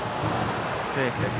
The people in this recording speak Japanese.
セーフです。